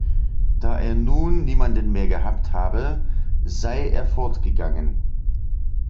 Da er nun niemanden mehr gehabt habe, sei er fortgegangen.